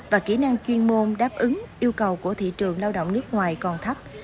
và kỹ năng chuyên môn đáp ứng yêu cầu của thị trường lao động nước ngoài còn thấp